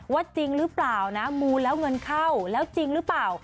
จริงหรือเปล่านะมูลแล้วเงินเข้าแล้วจริงหรือเปล่า